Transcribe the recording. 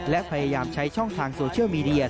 และพยายามใช้ช่องทางโซเชียลมีเดีย